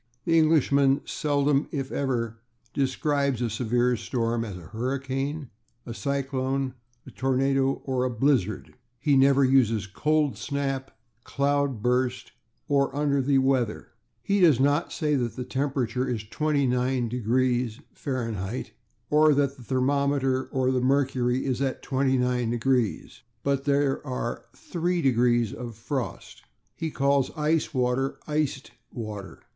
The Englishman seldom, if ever, describes a severe storm as a /hurricane/, a /cyclone/, a /tornado/ or a /blizzard/. He never uses /cold snap/, /cloudburst/ or /under the weather/. He does not say that the temperature is /29 degrees/ (Fahrenheit) or that the thermometer or the mercury is at 29 degrees, but that there are /three degrees of frost/. He calls ice water /iced water